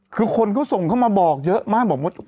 คือคนคงส่งเขามาบอกเยอะมาบอก